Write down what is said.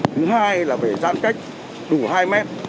thứ hai là phải giãn cách đủ hai mét